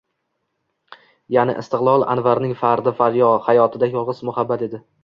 ya’ni istiqbol Anvarning fardi hayotida yolg’iz muhabbat edi”.